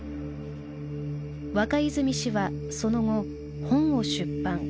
若泉氏はその後本を出版。